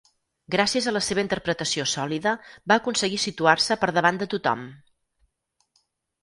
Gràcies a la seva interpretació sòlida, va aconseguir situar-se per davant de tothom.